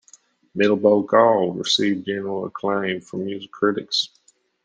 "Mellow Gold" received general acclaim from music critics.